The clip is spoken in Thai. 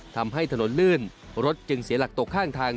ทำให้ถนนลื่นรถจึงเสียหลักตกข้างทาง